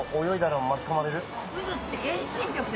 渦って。